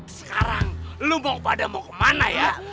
sekarang lu mau kemana ya